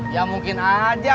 ya mungkin aja